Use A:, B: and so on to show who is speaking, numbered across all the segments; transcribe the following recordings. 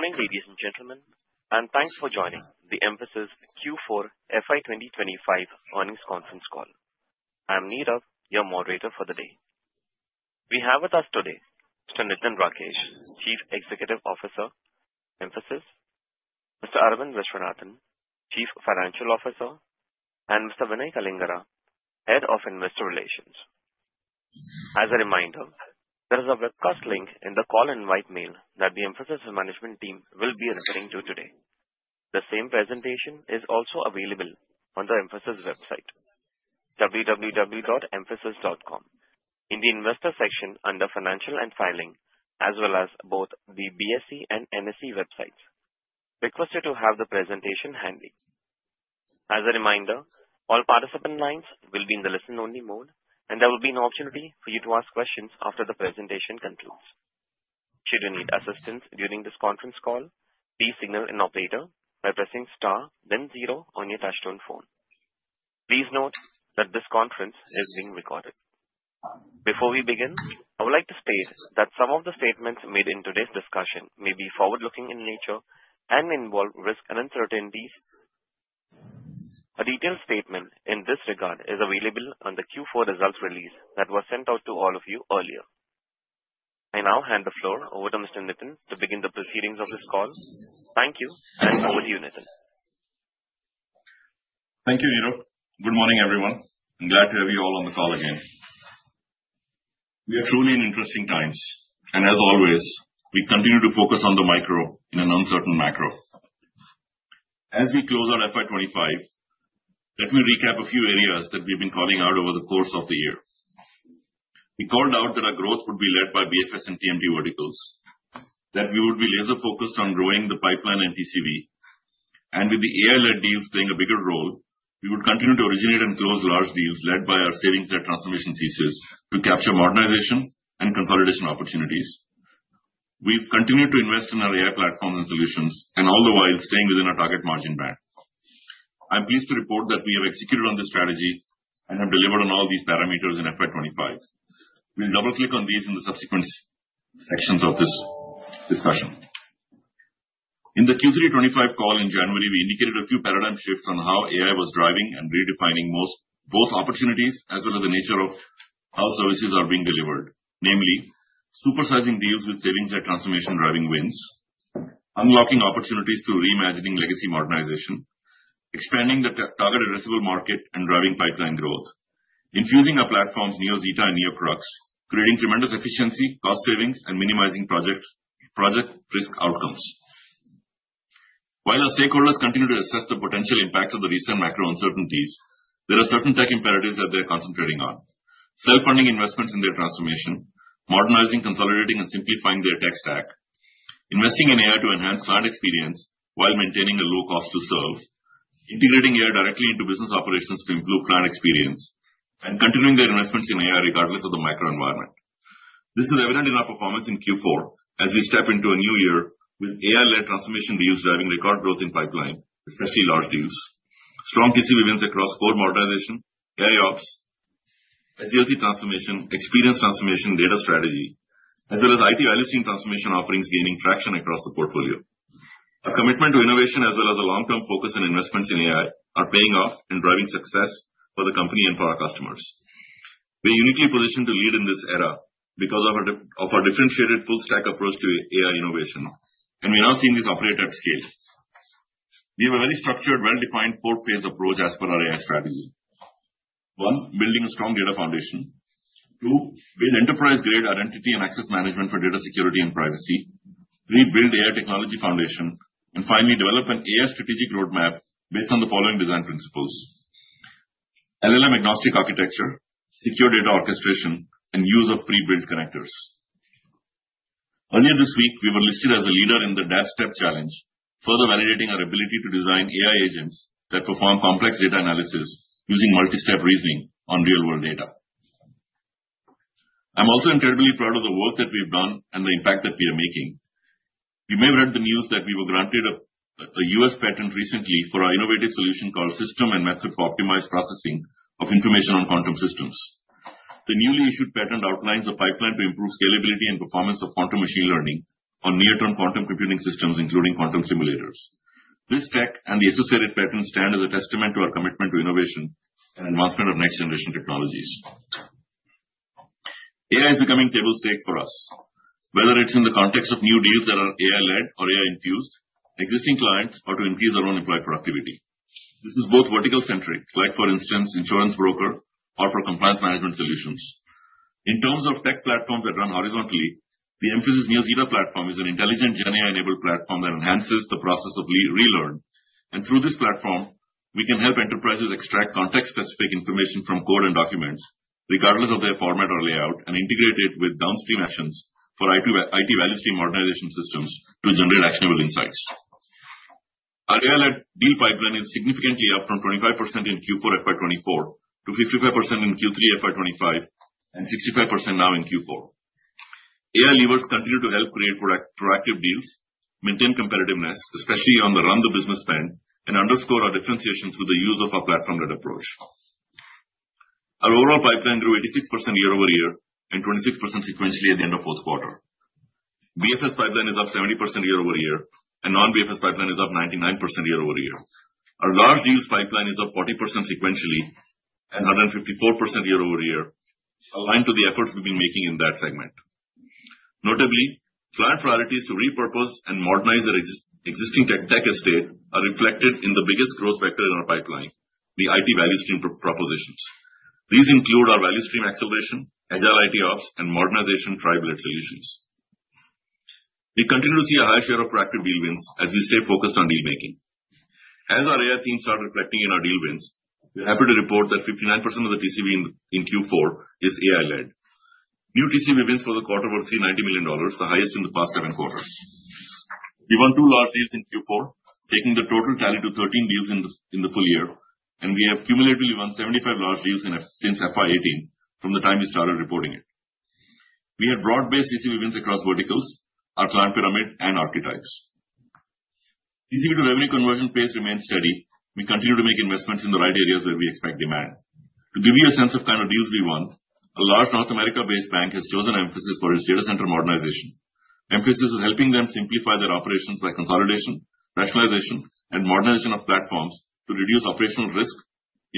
A: Good morning, ladies and gentlemen, and thanks for joining the Mphasis Q4 FY 2025 Earnings Conference Call. I'm Neerav, your moderator for the day. We have with us today Mr. Nitin Rakesh, Chief Executive Officer, Mphasis; Mr. Aravind Viswanathan, Chief Financial Officer; and Mr. Vinay Kalingara, Head of Investor Relations. As a reminder, there is a webcast link in the call invite mail that the Mphasis Management team will be referring to today. The same presentation is also available on the Mphasis website, www.mphasis.com, in the Investor section under Financial and Filing, as well as both the BSE and NSE websites. Requested to have the presentation handy. As a reminder, all participant lines will be in the listen-only mode, and there will be an opportunity for you to ask questions after the presentation concludes. Should you need assistance during this conference call, please signal an operator by pressing star, then zero on your touchstone phone. Please note that this conference is being recorded. Before we begin, I would like to state that some of the statements made in today's discussion may be forward-looking in nature and involve risk and uncertainties. A detailed statement in this regard is available on the Q4 results release that was sent out to all of you earlier. I now hand the floor over to Mr. Nitin to begin the proceedings of this call. Thank you, and over to you, Nitin.
B: Thank you, Neerav. Good morning, everyone. I'm glad to have you all on the call again. We are truly in interesting times, and as always, we continue to focus on the micro in an uncertain macro. As we close out FY 2025, let me recap a few areas that we've been calling out over the course of the year. We called out that our growth would be led by BFS and TMT verticals, that we would be laser-focused on growing the pipeline and TCV, and with the AI-led deals playing a bigger role, we would continue to originate and close large deals led by our Savings-Le Transformation thesis to capture modernization and consolidation opportunities. We've continued to invest in our AI platforms and solutions, and all the while staying within our target margin band. I'm pleased to report that we have executed on this strategy and have delivered on all these parameters in FY 2025. We'll double-click on these in the subsequent sections of this discussion. In the Q3 2025 call in January, we indicated a few paradigm shifts on how AI was driving and redefining both opportunities as well as the nature of how services are being delivered, namely supersizing deals with savings-led transformation driving wins, unlocking opportunities through reimagining legacy modernization, expanding the target addressable market and driving pipeline growth, infusing our platforms NeoZeta and NeoCrux, creating tremendous efficiency, cost savings, and minimizing project risk outcomes. While our stakeholders continue to assess the potential impact of the recent macro uncertainties, there are certain tech imperatives that they're concentrating on: self-funding investments in their transformation, modernizing, consolidating, and simplifying their tech stack, investing in AI to enhance client experience while maintaining a low cost to serve, integrating AI directly into business operations to improve client experience, and continuing their investments in AI regardless of the micro environment. This is evident in our performance in Q4 as we step into a new year with AI-led transformation deals driving record growth in pipeline, especially large deals, strong TCV wins across core modernization, AI ops, agility transformation, experience transformation, data strategy, as well as IT value stream transformation offerings gaining traction across the portfolio. Our commitment to innovation as well as a long-term focus and investments in AI are paying off and driving success for the company and for our customers. We're uniquely positioned to lead in this era because of our differentiated full-stack approach to AI innovation, and we're now seeing this operate at scale. We have a very structured, well-defined four-phase approach as per our AI strategy. One, building a strong data foundation. Two, build enterprise-grade identity and access management for data security and privacy. Three, build AI technology foundation. Finally, develop an AI strategic roadmap based on the following design principles: LLM agnostic architecture, secure data orchestration, and use of pre-built connectors. Earlier this week, we were listed as a leader in the DABStep challenge, further validating our ability to design AI agents that perform complex data analysis using multi-step reasoning on real-world data. I'm also incredibly proud of the work that we've done and the impact that we are making. You may have heard the news that we were granted a U.S. patent recently for our innovative solution called system and method for optimized processing of information on quantum systems. The newly issued patent outlines a pipeline to improve scalability and performance of quantum machine learning on near-term quantum computing systems, including quantum simulators. This tech and the associated patent stand as a testament to our commitment to innovation and advancement of next-generation technologies. AI is becoming table stakes for us, whether it's in the context of new deals that are AI-led or AI-infused, existing clients, or to increase our own employee productivity. This is both vertical-centric, like, for instance, insurance broker or for compliance management solutions. In terms of tech platforms that run horizontally, the Mphasis NeoZeta platform is an intelligent GenAI-enabled platform that enhances the process of re-learn. Through this platform, we can help enterprises extract context-specific information from code and documents, regardless of their format or layout, and integrate it with downstream actions for IT value stream modernization systems to generate actionable insights. Our AI-led deal pipeline is significantly up from 25% in Q4 FY 2024 to 55% in Q3 FY 2025 and 65% now in Q4. AI levers continue to help create proactive deals, maintain competitiveness, especially on the run-the-business span, and underscore our differentiation through the use of our platform-led approach. Our overall pipeline grew 86% year-over-year and 26% sequentially at the end of fourth quarter. BFS pipeline is up 70% year-over-year, and non-BFS pipeline is up 99% year-over-year. Our large deals pipeline is up 40% sequentially and 154% year-over-year, aligned to the efforts we've been making in that segment. Notably, client priorities to repurpose and modernize their existing tech estate are reflected in the biggest growth vector in our pipeline, the IT value stream propositions. These include our value stream acceleration, agile IT ops, and modernization tribe-led solutions. We continue to see a high share of proactive deal wins as we stay focused on deal-making. As our AI teams start reflecting in our deal wins, we're happy to report that 59% of the TCV in Q4 is AI-led. New TCV wins for the quarter were $390 million, the highest in the past seven quarters. We won two large deals in Q4, taking the total tally to 13 deals in the full year, and we have cumulatively won 75 large deals since FY 2018 from the time we started reporting it. We had broad-based TCV wins across verticals, our client pyramid, and archetypes. Easy to revenue conversion pace remains steady. We continue to make investments in the right areas where we expect demand. To give you a sense of kind of deals we won, a large North America-based bank has chosen Mphasis for its data center modernization. Mphasis is helping them simplify their operations by consolidation, rationalization, and modernization of platforms to reduce operational risk,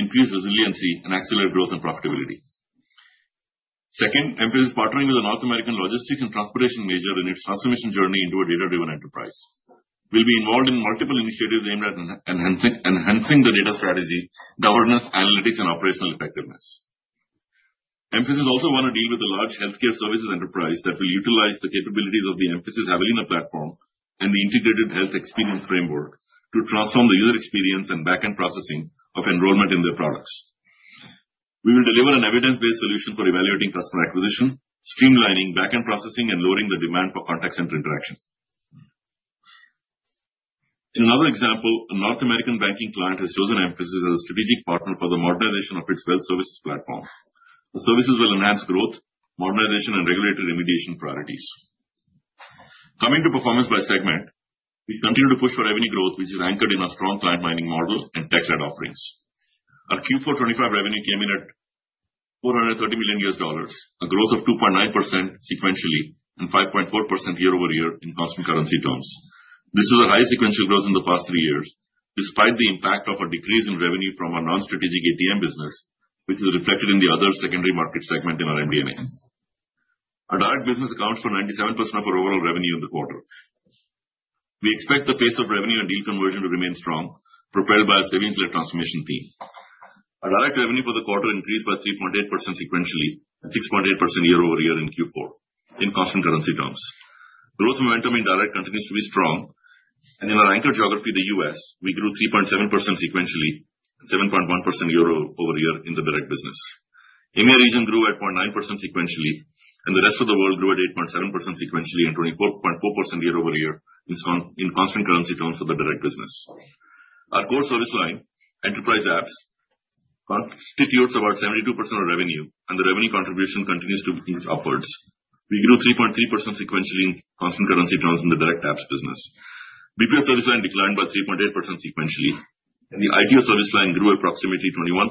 B: increase resiliency, and accelerate growth and profitability. Second, Mphasis is partnering with a North American logistics and transportation major in its transformation journey into a data-driven enterprise. We'll be involved in multiple initiatives aimed at enhancing the data strategy, governance, analytics, and operational effectiveness. Mphasis also wants to deal with a large healthcare services enterprise that will utilize the capabilities of the Mphasis Javelina platform and the integrated health experience framework to transform the user experience and back-end processing of enrollment in their products. We will deliver an evidence-based solution for evaluating customer acquisition, streamlining back-end processing, and lowering the demand for contact center interaction. In another example, a North American banking client has chosen Mphasis as a strategic partner for the modernization of its web services platform. The services will enhance growth, modernization, and regulatory remediation priorities. Coming to performance by segment, we continue to push for revenue growth, which is anchored in our strong client mining model and tech-led offerings. Our Q4 2025 revenue came in at $430 million, a growth of 2.9% sequentially and 5.4% year-over-year in constant currency terms. This is our highest sequential growth in the past three years, despite the impact of a decrease in revenue from our non-strategic ATM business, which is reflected in the other secondary market segment in our MD&A. Our direct business accounts for 97% of our overall revenue in the quarter. We expect the pace of revenue and deal conversion to remain strong, propelled by our savings-led transformation theme. Our direct revenue for the quarter increased by 3.8% sequentially and 6.8% year-over-year in Q4 in constant currency terms. Growth momentum in direct continues to be strong, and in our anchor geography, the U.S., we grew 3.7% sequentially and 7.1% year-over-year in the direct business. India region grew at 0.9% sequentially, and the rest of the world grew at 8.7% sequentially and 24.4% year-over-year in constant currency terms for the direct business. Our core service line, enterprise apps, constitutes about 72% of revenue, and the revenue contribution continues to inch upwards. We grew 3.3% sequentially in constant currency terms in the direct apps business. BPO service line declined by 3.8% sequentially, and the ITO service line grew at approximately 21%,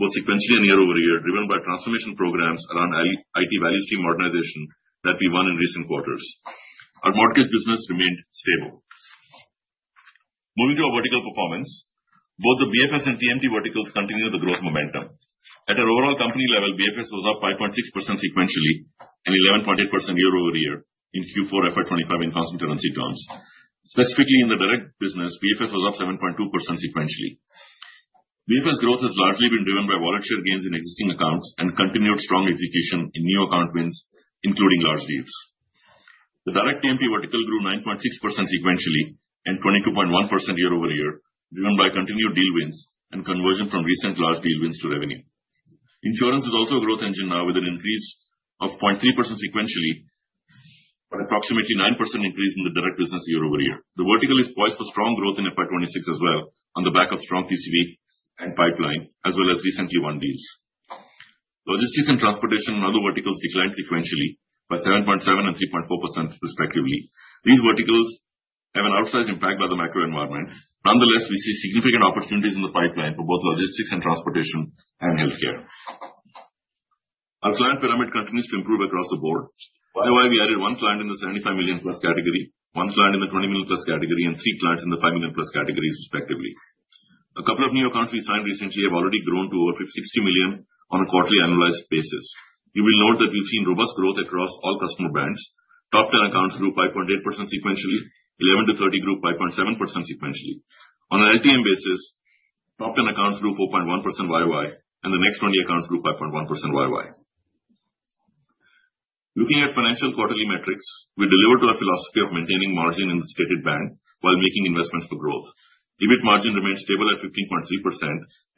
B: both sequentially and year-over-year, driven by transformation programs around IT value stream modernization that we won in recent quarters. Our mortgage business remained stable. Moving to our vertical performance, both the BFS and TMT verticals continue the growth momentum. At our overall company level, BFS was up 5.6% sequentially and 11.8% year-over-year in Q4 FY 2025 in constant currency terms. Specifically, in the direct business, BFS was up 7.2% sequentially. BFS growth has largely been driven by volatile gains in existing accounts and continued strong execution in new account wins, including large deals. The direct TMT vertical grew 9.6% sequentially and 22.1% year-over-year, driven by continued deal wins and conversion from recent large deal wins to revenue. Insurance is also a growth engine now, with an increase of 0.3% sequentially and approximately 9% increase in the direct business year-over-year. The vertical is poised for strong growth in FY 2026 as well, on the back of strong TCV and pipeline, as well as recently won deals. Logistics and transportation and other verticals declined sequentially by 7.7% and 3.4%, respectively. These verticals have an outsized impact by the macro environment. Nonetheless, we see significant opportunities in the pipeline for both logistics and transportation and healthcare. Our client pyramid continues to improve across the board. Year-over-year, we added one client in the $75 million-plus category, one client in the $20 million-plus category, and three clients in the $5 million-plus categories, respectively. A couple of new accounts we signed recently have already grown to over $60 million on a quarterly annualized basis. You will note that we've seen robust growth across all customer brands. Top 10 accounts grew 5.8% sequentially, 11 to 30 grew 5.7% sequentially. On a last twelve months basis, top 10 accounts grew 4.1% year-over-year, and the next 20 accounts grew 5.1% year-over-year. Looking at financial quarterly metrics, we delivered to our philosophy of maintaining margin in the stated band while making investments for growth. EBIT margin remained stable at 15.3%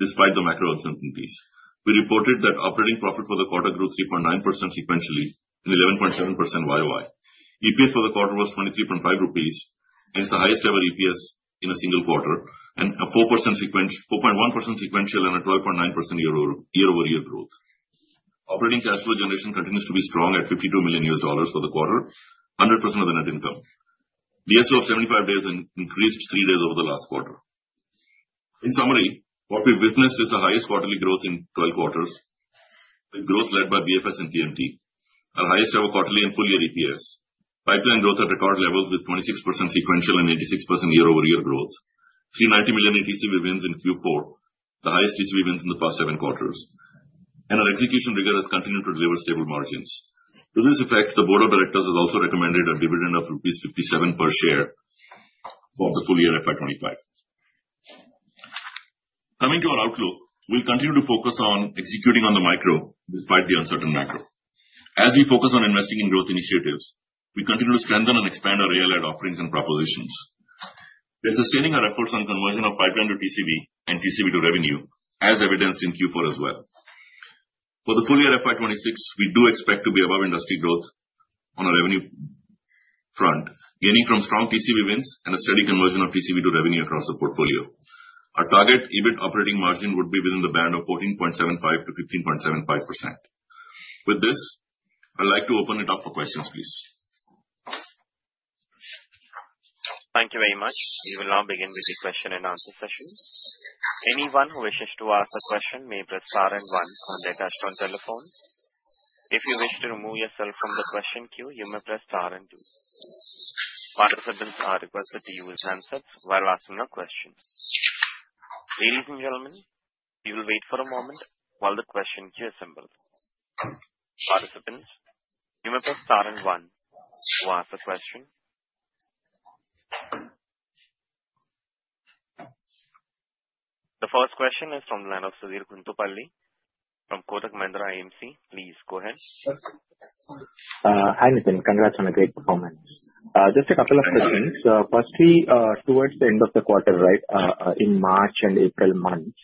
B: despite the macro uncertainties. We reported that operating profit for the quarter grew 3.9% sequentially and 11.7% year-over-year. EPS for the quarter was 23.5 rupees, and it's the highest-ever EPS in a single quarter, and a 4.1% sequential and a 12.9% year-over-year growth. Operating cash flow generation continues to be strong at $52 million for the quarter, 100% of the net income. DSO of 75 days increased three days over the last quarter. In summary, what we've witnessed is the highest quarterly growth in 12 quarters, with growth led by BFS and TMT. Our highest-ever quarterly and full-year EPS. Pipeline growth at record levels with 26% sequential and 86% year-over-year growth. $390 million in TCV wins in Q4, the highest TCV wins in the past seven quarters, and our execution rigor has continued to deliver stable margins. To this effect, the Board of Directors has also recommended a dividend of rupees 57 per share for the full-year FY 2025. Coming to our outlook, we'll continue to focus on executing on the micro despite the uncertain macro. As we focus on investing in growth initiatives, we continue to strengthen and expand our AI-led offerings and propositions. We're sustaining our efforts on conversion of pipeline to TCV and TCV to revenue, as evidenced in Q4 as well. For the full-year FY 2026, we do expect to be above industry growth on our revenue front, gaining from strong TCV wins and a steady conversion of TCV to revenue across the portfolio. Our target EBIT operating margin would be within the band of 14.75%-15.75%. With this, I'd like to open it up for questions, please.
A: Thank you very much. We will now begin with the question and answer session. Anyone who wishes to ask a question may press star and one on the attached on telephone. If you wish to remove yourself from the question queue, you may press star and two. Participants are requested to use handsets while asking a question. Ladies and gentlemen, you will wait for a moment while the question queue assembles. Participants, you may press star and one to ask a question. The first question is from the line of Sudheer Guntupalli from Kotak Mahindra Inc. Please go ahead.
C: Hi Nitin, congrats on a great performance. Just a couple of questions. Firstly, towards the end of the quarter, right, in March and April months,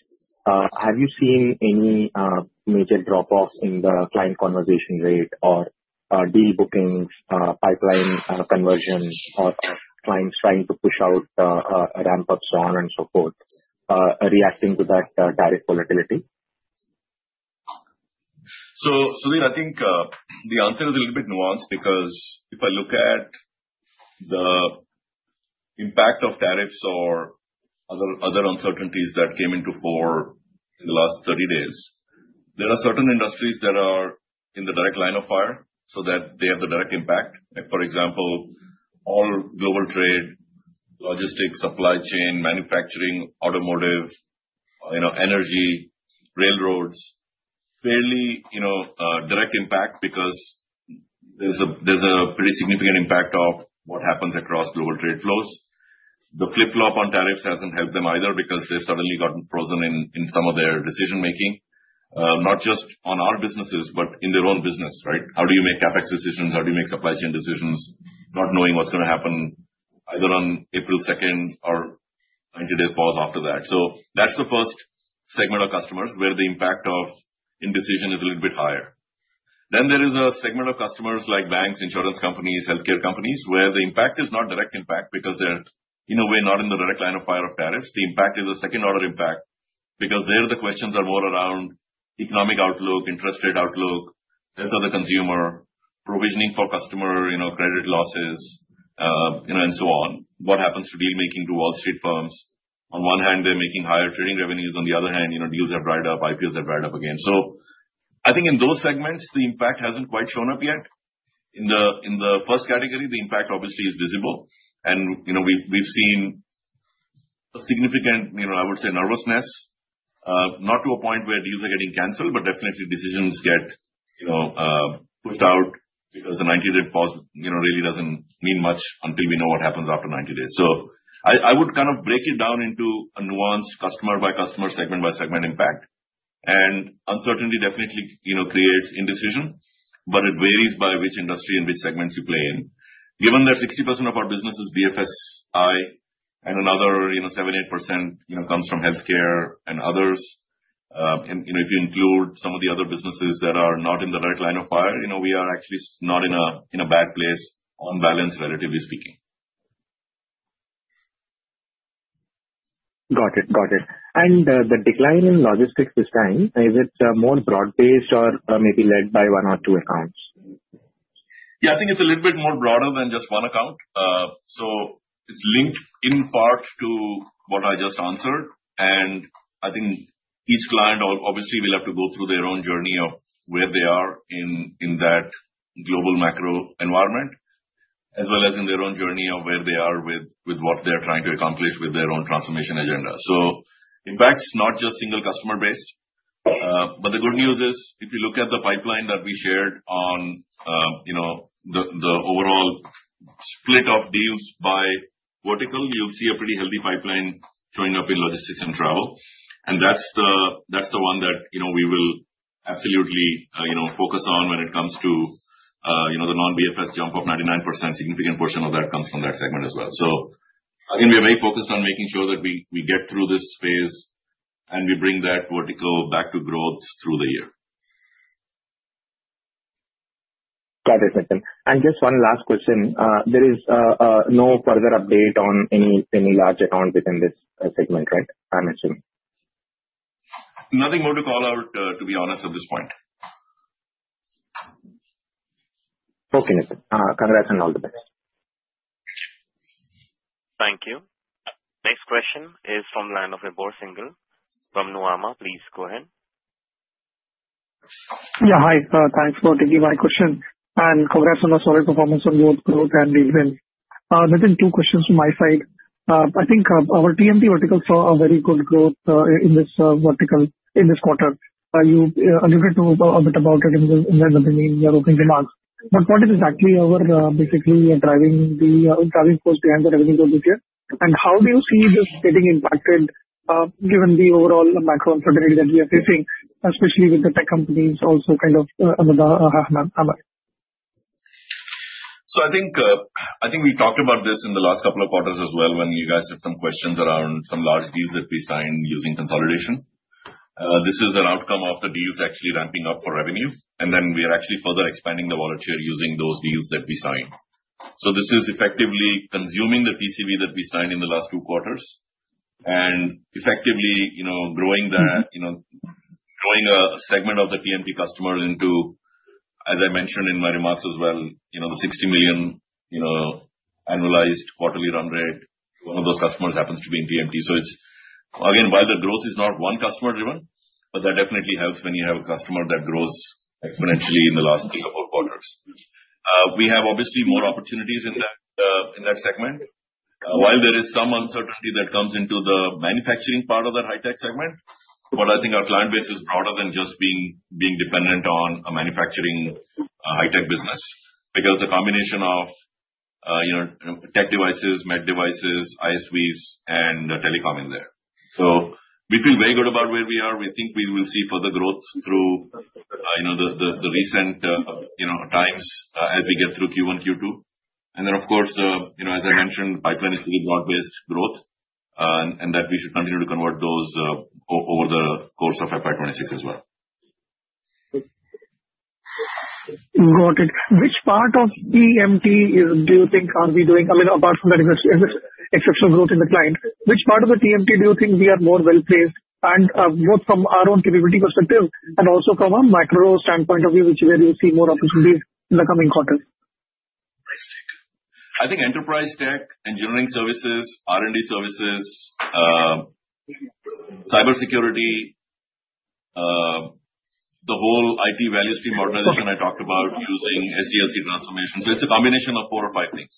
C: have you seen any major drop-off in the client conversation rate or deal bookings, pipeline conversion, or clients trying to push out ramp-ups, so on and so forth, reacting to that tariff volatility?
B: I think the answer is a little bit nuanced because if I look at the impact of tariffs or other uncertainties that came into fore in the last 30 days, there are certain industries that are in the direct line of fire so that they have the direct impact. For example, all global trade, logistics, supply chain, manufacturing, automotive, energy, railroads, fairly direct impact because there's a pretty significant impact of what happens across global trade flows. The flip-flop on tariffs hasn't helped them either because they've suddenly gotten frozen in some of their decision-making, not just on our businesses, but in their own business, right? How do you make CapEx decisions? How do you make supply chain decisions? Not knowing what's going to happen either on April 2nd or 90-day pause after that. That's the first segment of customers where the impact of indecision is a little bit higher. Then there is a segment of customers like banks, insurance companies, healthcare companies, where the impact is not direct impact because they're, in a way, not in the direct line of fire of tariffs. The impact is a second-order impact because there, the questions are more around economic outlook, interest rate outlook, health of the consumer, provisioning for customer credit losses, and so on. What happens to deal-making to Wall Street firms? On one hand, they're making higher trading revenues. On the other hand, deals have dried up. IPOs have dried up again. I think in those segments, the impact hasn't quite shown up yet. In the first category, the impact obviously is visible, and we've seen a significant, I would say, nervousness, not to a point where deals are getting canceled, but definitely decisions get pushed out because the 90-day pause really doesn't mean much until we know what happens after 90 days. I would kind of break it down into a nuanced customer-by-customer, segment-by-segment impact. Uncertainty definitely creates indecision, but it varies by which industry and which segments you play in. Given that 60% of our business is BFSI and another 7-8% comes from healthcare and others, and if you include some of the other businesses that are not in the right line of fire, we are actually not in a bad place, on balance, relatively speaking.
C: Got it. Got it. The decline in logistics this time, is it more broad-based or maybe led by one or two accounts?
B: Yeah, I think it's a little bit more broader than just one account. It's linked in part to what I just answered, and I think each client obviously will have to go through their own journey of where they are in that global macro environment, as well as in their own journey of where they are with what they're trying to accomplish with their own transformation agenda. Impact's not just single-customer-based, but the good news is if you look at the pipeline that we shared on the overall split of deals by vertical, you'll see a pretty healthy pipeline showing up in logistics and travel. That's the one that we will absolutely focus on when it comes to the non-BFS jump of 99%. A significant portion of that comes from that segment as well. Again, we are very focused on making sure that we get through this phase and we bring that vertical back to growth through the year.
C: Got it, Nitin. Just one last question. There is no further update on any large account within this segment, right? I am assuming.
B: Nothing more to call out, to be honest, at this point.
C: Okay, Nitin. Congrats and all the best.
A: Thank you. Next question is from the line of Vibhor Singhal from Nuvama. Please go ahead.
D: Yeah, hi. Thanks for taking my question. Congrats on the solid performance on both growth and deal win. Nitin, two questions from my side. I think our TMT vertical saw very good growth in this vertical in this quarter. You alluded to a bit about it in the beginning in your opening remarks. What is exactly our, basically, driving force behind the revenue growth this year? How do you see this getting impacted given the overall macro uncertainty that we are facing, especially with the tech companies also kind of under the hammer?
B: I think we talked about this in the last couple of quarters as well when you guys had some questions around some large deals that we signed using consolidation. This is an outcome of the deals actually ramping up for revenue, and then we are actually further expanding the volatile using those deals that we signed. This is effectively consuming the TCV that we signed in the last two quarters and effectively growing a segment of the TMT customers into, as I mentioned in my remarks as well, the $60 million annualized quarterly run rate. One of those customers happens to be in TMT. Again, while the growth is not one customer-driven, that definitely helps when you have a customer that grows exponentially in the last three or four quarters. We have obviously more opportunities in that segment while there is some uncertainty that comes into the manufacturing part of that high-tech segment, but I think our client base is broader than just being dependent on a manufacturing high-tech business because of the combination of tech devices, med devices, ISVs, and telecom in there. We feel very good about where we are. We think we will see further growth through the recent times as we get through Q1, Q2. Of course, as I mentioned, pipeline is pretty broad-based growth and we should continue to convert those over the course of FY 2026 as well.
D: Got it. Which part of TMT do you think are we doing? I mean, apart from that exceptional growth in the client, which part of the TMT do you think we are more well-placed, both from our own capability perspective and also from a macro standpoint of view, which is where you see more opportunities in the coming quarters?
B: I think enterprise tech, engineering services, R&D services, cybersecurity, the whole IT value stream organization I talked about using SDLC transformation. So it's a combination of four or five things.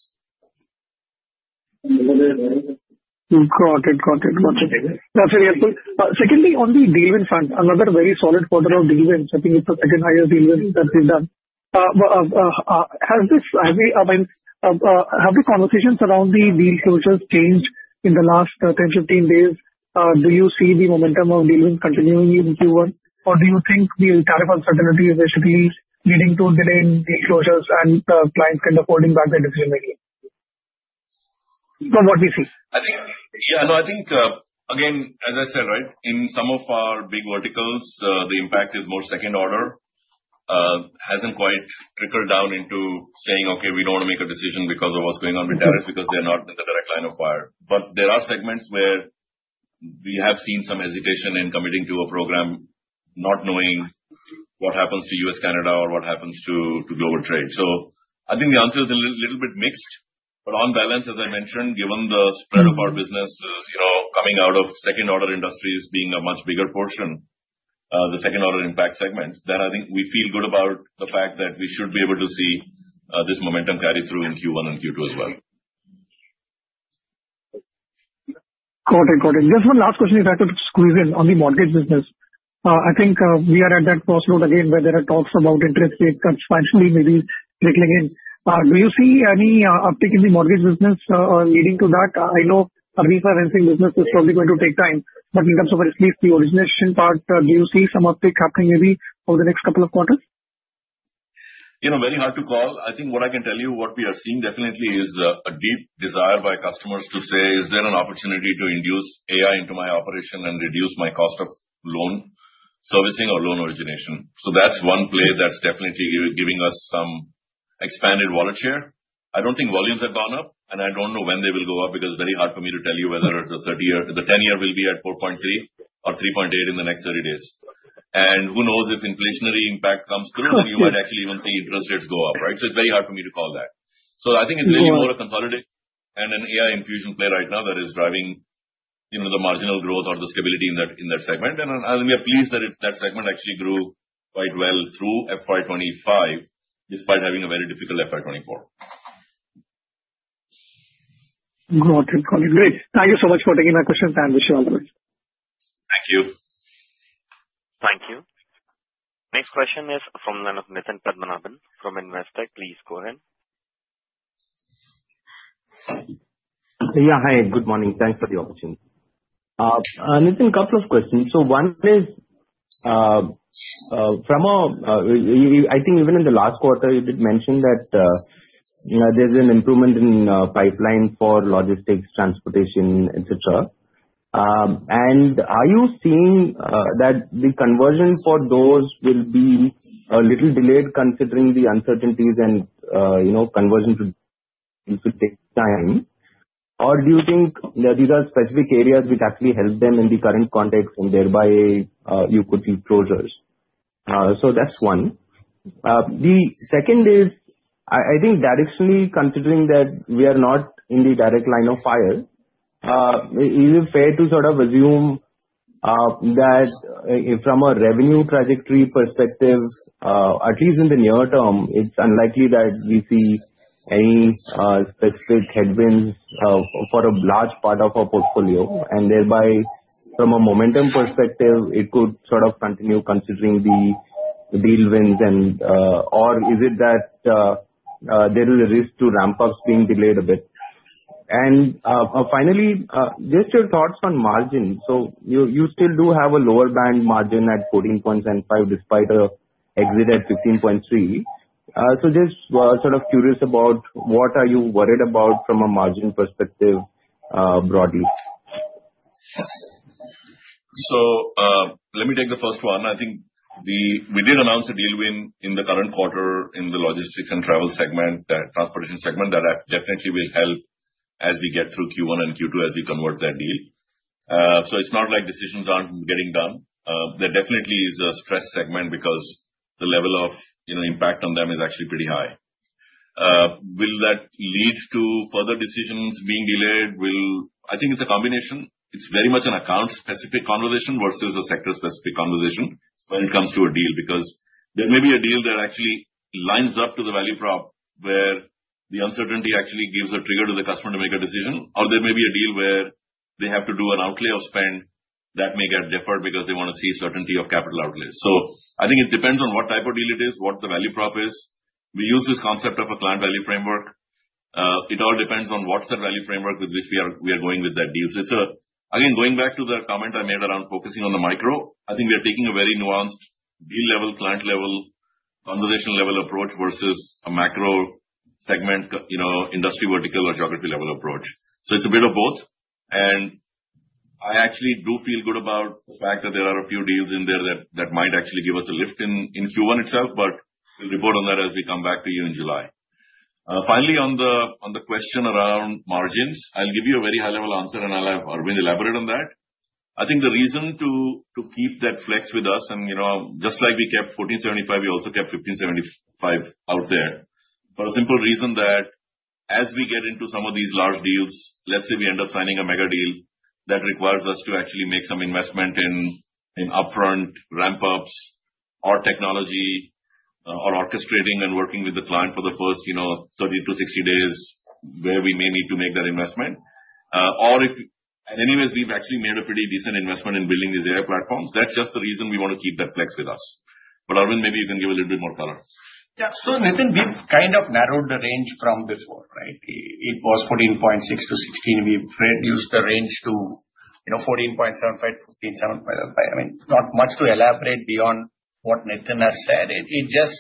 D: Got it. Got it. Got it. That's very helpful. Secondly, on the deal wins front, another very solid quarter of deal wins. I think it's the second highest deal wins that we've done. I mean, have the conversations around the deal closures changed in the last 10-15 days? Do you see the momentum of deal wins continuing in Q1, or do you think the tariff uncertainty is basically leading to delayed deal closures and clients kind of holding back their decision-making from what we see?
B: Yeah. No, I think, again, as I said, right, in some of our big verticals, the impact is more second-order. It hasn't quite trickled down into saying, "Okay, we don't want to make a decision because of what's going on with tariffs because they're not in the direct line of fire." There are segments where we have seen some hesitation in committing to a program, not knowing what happens to U.S., Canada, or what happens to global trade. I think the answer is a little bit mixed, but on balance, as I mentioned, given the spread of our business coming out of second-order industries being a much bigger portion, the second-order impact segment, then I think we feel good about the fact that we should be able to see this momentum carry through in Q1 and Q2 as well.
D: Got it. Got it. Just one last question, if I could squeeze in, on the mortgage business. I think we are at that crossroad again where there are talks about interest rates that finally may be trickling in. Do you see any uptick in the mortgage business leading to that? I know a refinancing business is probably going to take time, but in terms of at least the origination part, do you see some uptick happening maybe over the next couple of quarters?
B: Very hard to call. I think what I can tell you, what we are seeing definitely is a deep desire by customers to say, "Is there an opportunity to induce AI into my operation and reduce my cost of loan servicing or loan origination?" That is one play that is definitely giving us some expanded volatile. I do not think volumes have gone up, and I do not know when they will go up because it is very hard for me to tell you whether the 10-year will be at 4.3 or 3.8 in the next 30 days. Who knows if inflationary impact comes through, you might actually even see interest rates go up, right? It is very hard for me to call that. I think it is really more a consolidation and an AI infusion play right now that is driving the marginal growth or the stability in that segment. We are pleased that that segment actually grew quite well through FY 2025 despite having a very difficult FY 2024.
D: Got it. Got it. Great. Thank you so much for taking my questions, and wish you all the best.
B: Thank you.
A: Thank you. Next question is from Nitin Padmanabhan from Investec. Please go ahead.
E: Yeah. Hi. Good morning. Thanks for the opportunity. Nitin, a couple of questions. One is from a—I think even in the last quarter, you did mention that there's an improvement in pipeline for logistics, transportation, etc. Are you seeing that the conversion for those will be a little delayed considering the uncertainties and conversion should take time? Do you think these are specific areas which actually help them in the current context and thereby you could see closures? That's one. The second is, I think, additionally, considering that we are not in the direct line of fire, is it fair to sort of assume that from a revenue trajectory perspective, at least in the near term, it's unlikely that we see any specific headwinds for a large part of our portfolio? I mean, thereby, from a momentum perspective, it could sort of continue considering the deal wins? Is it that there is a risk to ramp up being delayed a bit? Finally, just your thoughts on margin. You still do have a lower band margin at 14.75% despite an exit at 15.3%. I am just sort of curious about what are you worried about from a margin perspective broadly?
B: Let me take the first one. I think we did announce a deal win in the current quarter in the logistics and travel segment, transportation segment, that definitely will help as we get through Q1 and Q2 as we convert that deal. It's not like decisions aren't getting done. There definitely is a stress segment because the level of impact on them is actually pretty high. Will that lead to further decisions being delayed? I think it's a combination. It's very much an account-specific conversation versus a sector-specific conversation when it comes to a deal because there may be a deal that actually lines up to the value prop where the uncertainty actually gives a trigger to the customer to make a decision, or there may be a deal where they have to do an outlay of spend that may get deferred because they want to see certainty of capital outlays. I think it depends on what type of deal it is, what the value prop is. We use this concept of a client value framework. It all depends on what's the value framework with which we are going with that deal. Again, going back to the comment I made around focusing on the micro, I think we are taking a very nuanced deal level, client level, conversation level approach versus a macro segment, industry vertical, or geography level approach. It is a bit of both. I actually do feel good about the fact that there are a few deals in there that might actually give us a lift in Q1 itself, but we will report on that as we come back to you in July. Finally, on the question around margins, I'll give you a very high-level answer, and I'll have Aravind elaborate on that. I think the reason to keep that flex with us, and just like we kept 14.75%, we also kept 15.75% out there for a simple reason that as we get into some of these large deals, let's say we end up signing a mega deal that requires us to actually make some investment in upfront ramp-ups or technology or orchestrating and working with the client for the first 30-60 days where we may need to make that investment. Anyways, we've actually made a pretty decent investment in building these AI platforms. That's just the reason we want to keep that flex with us. Aravind, maybe you can give a little bit more color.
F: Yeah. Nitin, we've kind of narrowed the range from before, right? It was 14.6%-16%. We've reduced the range to 14.75%-15.75%. I mean, not much to elaborate beyond what Nitin has said. It's just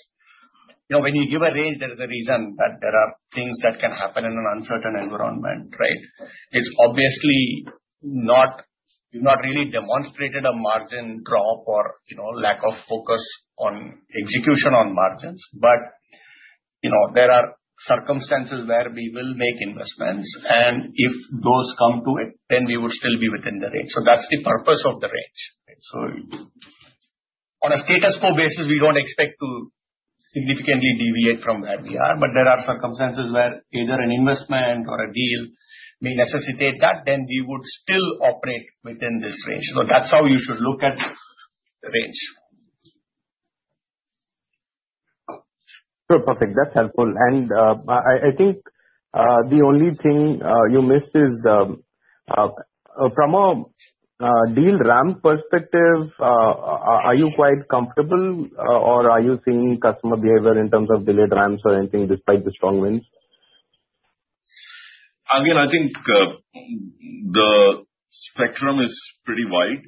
F: when you give a range, there is a reason that there are things that can happen in an uncertain environment, right? It's obviously not—you've not really demonstrated a margin drop or lack of focus on execution on margins, but there are circumstances where we will make investments. If those come to it, then we would still be within the range. That's the purpose of the range. On a status quo basis, we don't expect to significantly deviate from where we are, but there are circumstances where either an investment or a deal may necessitate that, then we would still operate within this range. That's how you should look at the range.
E: Sure. Perfect. That's helpful. I think the only thing you missed is from a deal ramp perspective, are you quite comfortable, or are you seeing customer behavior in terms of delayed ramps or anything despite the strong winds?
B: Again, I think the spectrum is pretty wide.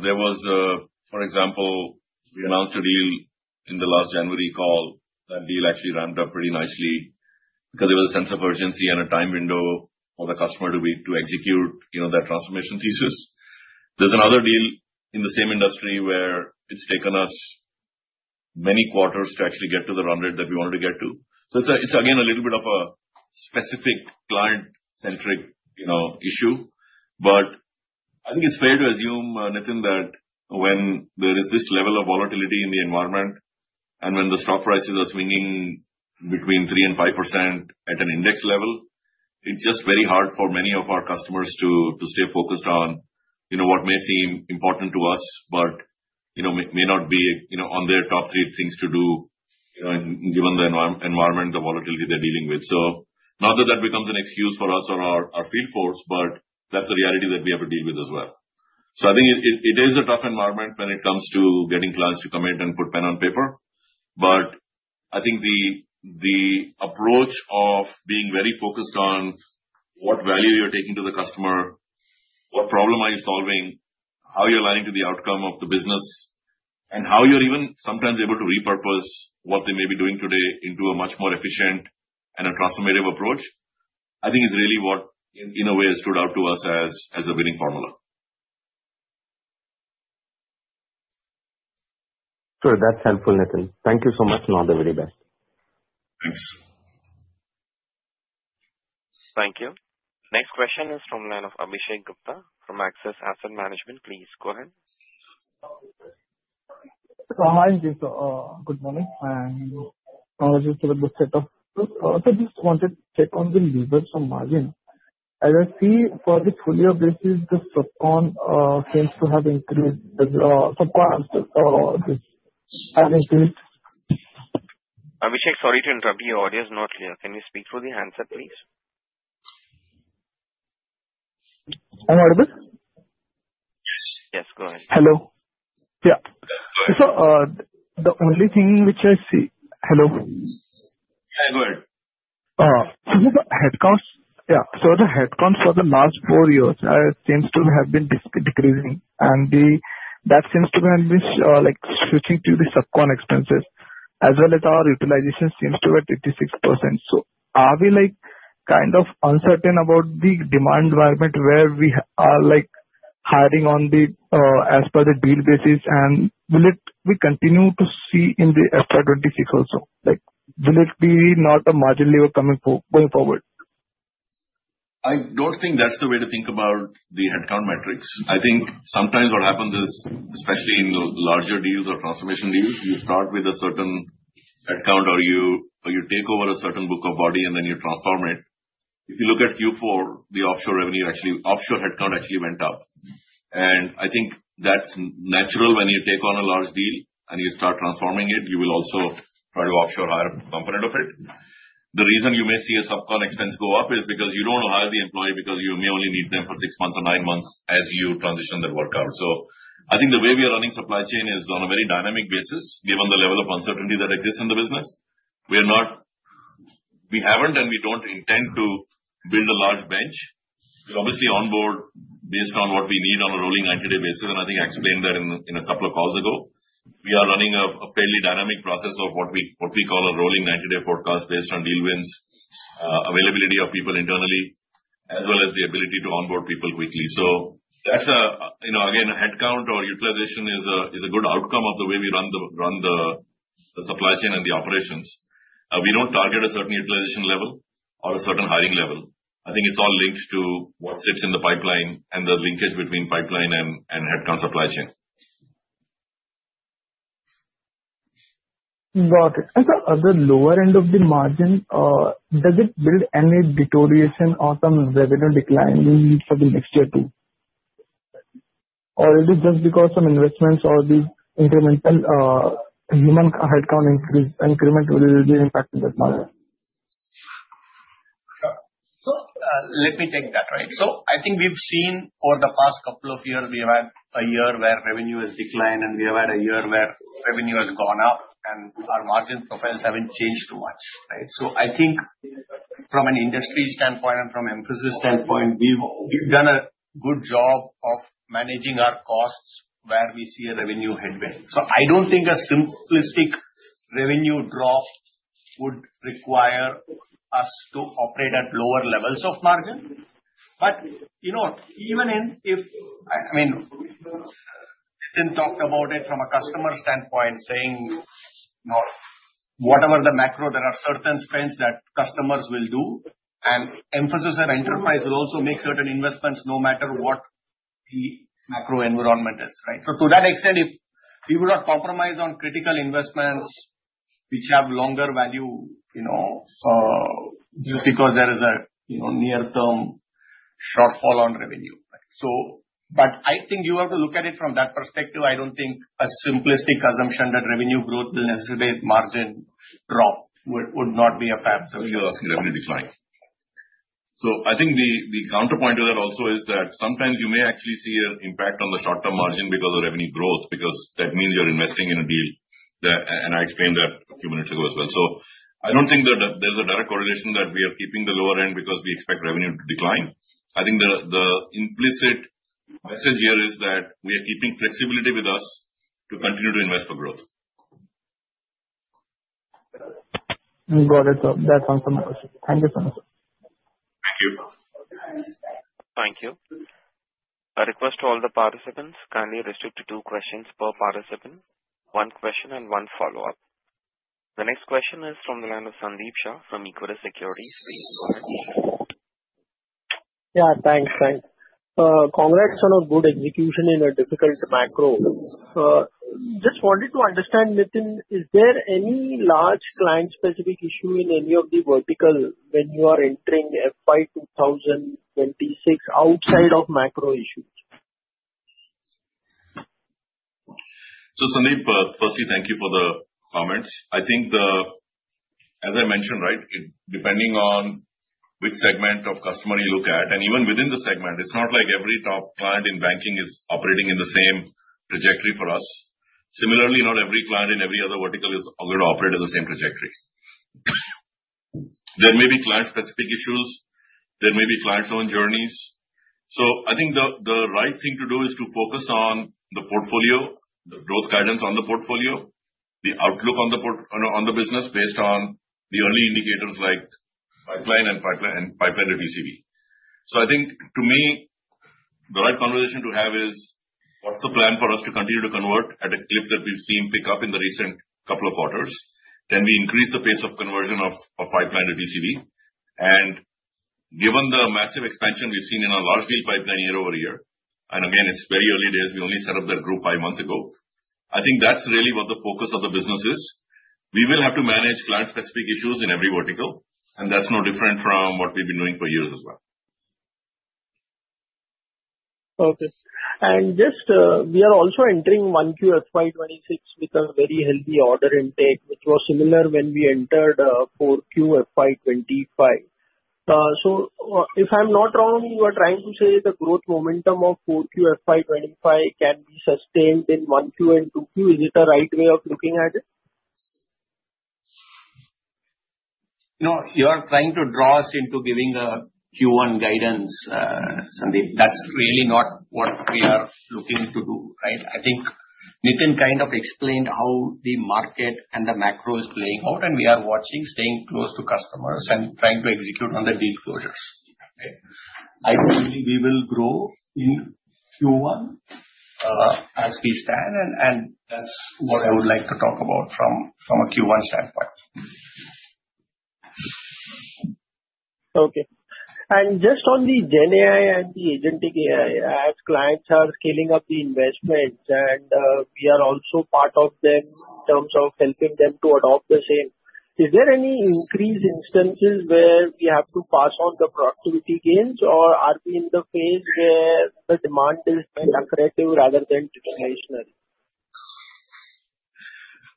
B: There was, for example, we announced a deal in the last January call. That deal actually ramped up pretty nicely because there was a sense of urgency and a time window for the customer to execute that transformation thesis. There's another deal in the same industry where it's taken us many quarters to actually get to the run rate that we wanted to get to. It is again a little bit of a specific client-centric issue, but I think it's fair to assume, Nitin, that when there is this level of volatility in the environment and when the stock prices are swinging between 3% and 5% at an index level, it's just very hard for many of our customers to stay focused on what may seem important to us but may not be on their top three things to do given the environment, the volatility they're dealing with. Not that that becomes an excuse for us or our field force, but that's a reality that we have to deal with as well. I think it is a tough environment when it comes to getting clients to commit and put pen on paper. But I think the approach of being very focused on what value you're taking to the customer, what problem are you solving, how you're aligning to the outcome of the business, and how you're even sometimes able to repurpose what they may be doing today into a much more efficient and a transformative approach, I think is really what, in a way, has stood out to us as a winning formula.
E: Sure. That's helpful, Nitin. Thank you so much. All the very best.
B: Thanks.
A: Thank you. Next question is from Abhishek Gupta from Axis Asset Management. Please go ahead.
G: Hi, Nitin. Good morning. I'm acknowledging to the setup. Just wanted to take on the leaders from margin. As I see for the full-year basis, the subcon seems to have increased. Subcon has increased.
A: Abhishek, sorry to interrupt you. Audio is not clear. Can you speak through the handset, please?
G: I'm audible? Yes. Go ahead. Hello. Yeah. The only thing which I see, hello.
B: Yeah. Good.
G: The headcounts, yeah. The headcounts for the last four years seems to have been decreasing, and that seems to have been switching to the subcon expenses, as well as our utilization seems to be at 86%. Are we kind of uncertain about the demand environment where we are hiring on the as per the deal basis? Will it continue to see in the FY 2026 also? Will it be not a margin lever going forward?
B: I don't think that's the way to think about the headcount metrics. I think sometimes what happens is, especially in larger deals or transformation deals, you start with a certain headcount or you take over a certain book of body, and then you transform it. If you look at Q4, the offshore revenue actually offshore headcount actually went up. I think that's natural when you take on a large deal and you start transforming it. You will also try to offshore a higher component of it. The reason you may see a subcon expense go up is because you don't hire the employee because you may only need them for six months or nine months as you transition the work out. I think the way we are running supply chain is on a very dynamic basis, given the level of uncertainty that exists in the business. We haven't, and we don't intend to build a large bench. We'll obviously onboard based on what we need on a rolling 90-day basis, and I think I explained that in a couple of calls ago. We are running a fairly dynamic process of what we call a rolling 90-day forecast based on deal wins, availability of people internally, as well as the ability to onboard people quickly. That's, again, a headcount or utilization is a good outcome of the way we run the supply chain and the operations. We don't target a certain utilization level or a certain hiring level. I think it's all linked to what sits in the pipeline and the linkage between pipeline and headcount supply chain.
G: Got it. At the lower end of the margin, does it build any deterioration or some revenue decline for the next year too? Is it just because some investments or the incremental human headcount increment will be impacting that margin?
F: Let me take that, right? I think we've seen over the past couple of years, we've had a year where revenue has declined, and we've had a year where revenue has gone up, and our margin profiles haven't changed too much, right? I think from an industry standpoint and from a Mphasis standpoint, we've done a good job of managing our costs where we see a revenue headwind. I don't think a simplistic revenue drop would require us to operate at lower levels of margin. Even if, I mean, Nitin talked about it from a customer standpoint, saying whatever the macro, there are certain spends that customers will do, and Mphasis on enterprise will also make certain investments no matter what the macro environment is, right? To that extent, we will not compromise on critical investments which have longer value just because there is a near-term shortfall on revenue. I think you have to look at it from that perspective. I don't think a simplistic assumption that revenue growth will necessitate margin drop would be a fair assumption.
B: You're asking revenue decline. I think the counterpoint to that also is that sometimes you may actually see an impact on the short-term margin because of revenue growth, because that means you're investing in a deal. I explained that a few minutes ago as well. I don't think there's a direct correlation that we are keeping the lower end because we expect revenue to decline. I think the implicit message here is that we are keeping flexibility with us to continue to invest for growth.
G: Got it. That answers my question. Thank you so much.
B: Thank you. Thank you.
A: A request to all the participants, kindly restrict to two questions per participant, one question and one follow-up. The next question is from the line of Sandeep Shah from Equirus Securities. Please go ahead.
H: Yeah. Thanks. Thanks. Congrats on a good execution in a difficult macro. Just wanted to understand, Nitin, is there any large client-specific issue in any of the verticals when you are entering FY 2026 outside of macro issues?
B: Sandeep, firstly, thank you for the comments. I think, as I mentioned, right, depending on which segment of customer you look at, and even within the segment, it's not like every top client in banking is operating in the same trajectory for us. Similarly, not every client in every other vertical is going to operate in the same trajectory. There may be client-specific issues. There may be client-owned journeys. I think the right thing to do is to focus on the portfolio, the growth guidance on the portfolio, the outlook on the business based on the early indicators like pipeline and pipeline and pipeline to TCV. I think, to me, the right conversation to have is, what's the plan for us to continue to convert at a clip that we've seen pick up in the recent couple of quarters? Can we increase the pace of conversion of pipeline to TCV? Given the massive expansion we've seen in our large deal pipeline year-over-year, and again, it's very early days. We only set up that group five months ago. I think that's really what the focus of the business is. We will have to manage client-specific issues in every vertical, and that's no different from what we've been doing for years as well.
H: Okay. We are also entering 1Q FY 2026 with a very healthy order intake, which was similar when we entered 4Q FY 2025. If I'm not wrong, you are trying to say the growth momentum of 4Q FY 2025 can be sustained in 1Q and 2Q. Is it a right way of looking at it?
F: No, you are trying to draw us into giving a Q1 guidance, Sandeep. That's really not what we are looking to do, right? I think Nitin kind of explained how the market and the macro is playing out, and we are watching, staying close to customers and trying to execute on the deal closures, right? I believe we will grow in Q1 as we stand, and that's what I would like to talk about from a Q1 standpoint.
H: Okay. Just on the GenAI and the Agentic AI, as clients are scaling up the investment and we are also part of them in terms of helping them to adopt the same, is there any increase in instances where we have to pass on the productivity gains, or are we in the phase where the demand is accurate rather than generational?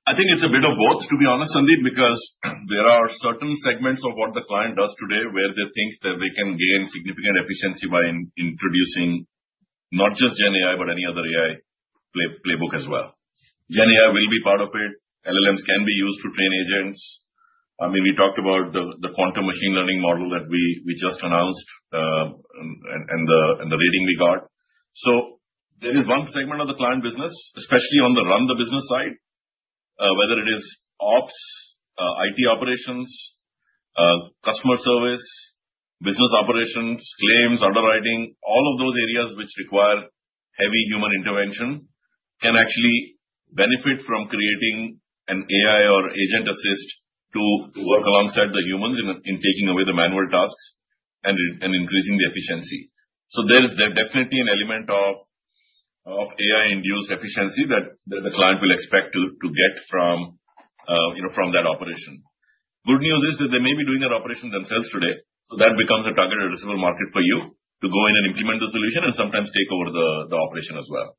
B: I think it's a bit of both, to be honest, Sandeep, because there are certain segments of what the client does today where they think that they can gain significant efficiency by introducing not just GenAI, but any other AI playbook as well. GenAI will be part of it. LLMs can be used to train agents. I mean, we talked about the quantum machine learning model that we just announced and the rating we got. There is one segment of the client business, especially on the run the business side, whether it is ops, IT operations, customer service, business operations, claims, underwriting, all of those areas which require heavy human intervention can actually benefit from creating an AI or agent assist to work alongside the humans in taking away the manual tasks and increasing the efficiency. There is definitely an element of AI-induced efficiency that the client will expect to get from that operation. Good news is that they may be doing that operation themselves today. That becomes a targeted receivable market for you to go in and implement the solution and sometimes take over the operation as well.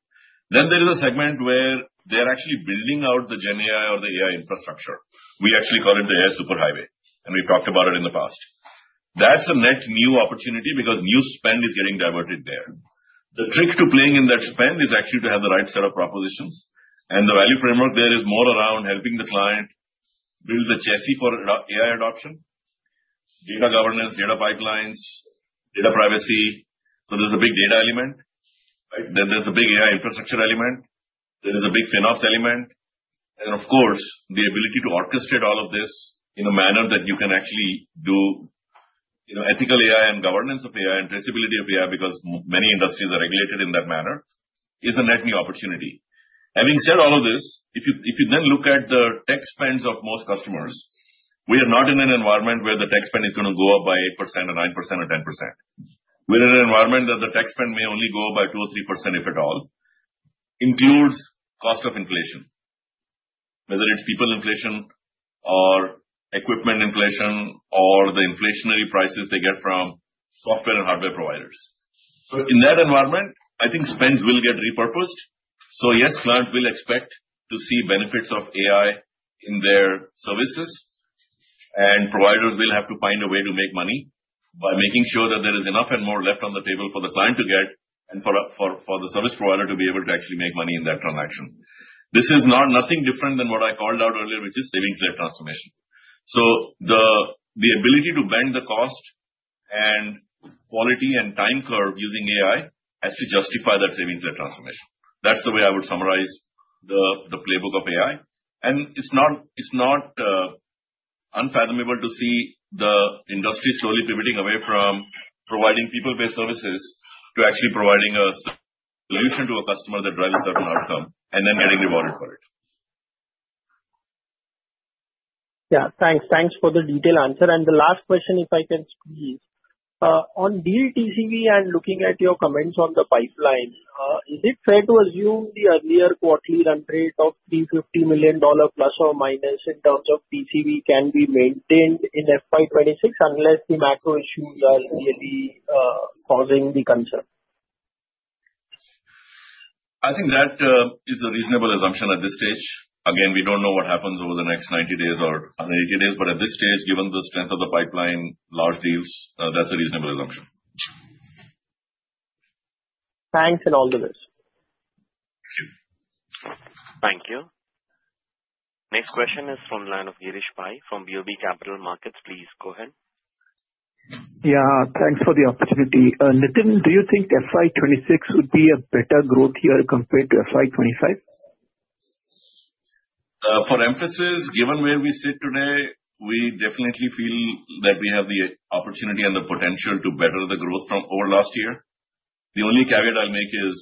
B: There is a segment where they are actually building out the GenAI or the AI infrastructure. We actually call it the AI superhighway, and we've talked about it in the past. That's a net new opportunity because new spend is getting diverted there. The trick to playing in that spend is actually to have the right set of propositions, and the value framework there is more around helping the client build the chassis for AI adoption, data governance, data pipelines, data privacy. There is a big data element, right? There is a big AI infrastructure element. There is a big FinOps element. Of course, the ability to orchestrate all of this in a manner that you can actually do ethical AI and governance of AI and traceability of AI because many industries are regulated in that manner is a net new opportunity. Having said all of this, if you then look at the tech spends of most customers, we are not in an environment where the tech spend is going to go up by 8% or 9% or 10%. We're in an environment that the tech spend may only go up by 2% or 3%, if at all, includes cost of inflation, whether it's people inflation or equipment inflation or the inflationary prices they get from software and hardware providers. In that environment, I think spends will get repurposed. Yes, clients will expect to see benefits of AI in their services, and providers will have to find a way to make money by making sure that there is enough and more left on the table for the client to get and for the service provider to be able to actually make money in that transaction. This is not nothing different than what I called out earlier, which is savings-led transformation. The ability to bend the cost and quality and time curve using AI has to justify that savings-led transformation. That's the way I would summarize the playbook of AI. It's not unfathomable to see the industry slowly pivoting away from providing people-based services to actually providing a solution to a customer that drives a certain outcome and then getting rewarded for it.
H: Yeah. Thanks. Thanks for the detailed answer. The last question, if I can squeeze. On deal TCV and looking at your comments on the pipeline, is it fair to assume the earlier quarterly run rate of $350 million plus or minus in terms of TCV can be maintained in FY 2026 unless the macro issues are really causing the concern?
B: I think that is a reasonable assumption at this stage. Again, we don't know what happens over the next 90 days or 180 days, but at this stage, given the strength of the pipeline, large deals, that's a reasonable assumption.
H: Thanks and all the best.
B: Thank you.
A: Thank you. Next question is from the line of Girish Pai from BOB Capital Markets. Please go ahead.
I: Yeah. Thanks for the opportunity. Nitin, do you think FY 2026 would be a better growth year compared to FY 2025?
B: For Mphasis, given where we sit today, we definitely feel that we have the opportunity and the potential to better the growth from over last year. The only caveat I'll make is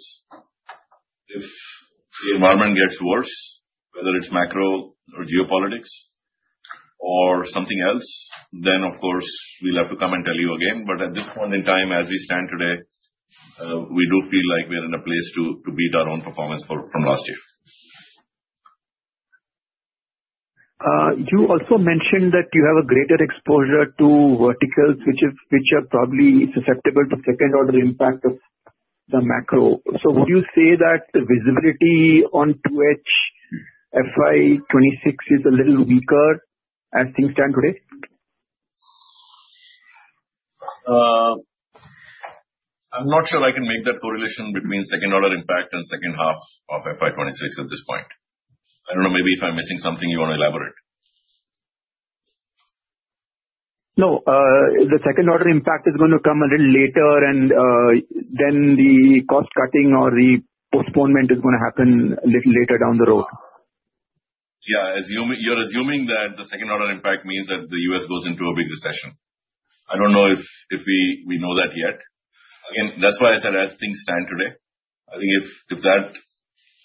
B: if the environment gets worse, whether it's macro or geopolitics or something else, of course, we'll have to come and tell you again. At this point in time, as we stand today, we do feel like we're in a place to beat our own performance from last year.
I: You also mentioned that you have a greater exposure to verticals which are probably susceptible to second-order impact of the macro. Would you say that the visibility on 2H FY 2026 is a little weaker as things stand today?
B: I'm not sure I can make that correlation between second-order impact and second half of FY 2026 at this point. I don't know. Maybe if I'm missing something, you want to elaborate.
I: No, the second-order impact is going to come a little later, and then the cost cutting or the postponement is going to happen a little later down the road.
B: Yeah. You're assuming that the second-order impact means that the U.S. goes into a big recession. I don't know if we know that yet. Again, that's why I said as things stand today, I think if that